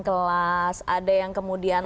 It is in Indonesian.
kelas ada yang kemudian